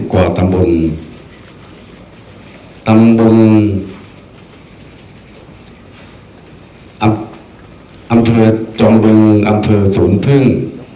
กว่าตำบลตำบลอำเภอจอมบึงอำเภอสวนพึ่ง